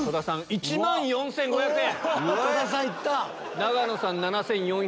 １万４５００円？